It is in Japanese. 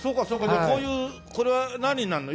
じゃあこういうこれは何になるの？